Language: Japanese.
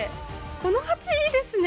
この鉢いいですね。